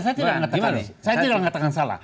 saya tidak mengatakan salah